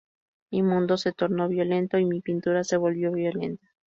Mi mundo se tornó violento y mi pintura se volvió violenta.